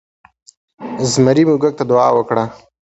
زمري موږک ته دعا وکړه.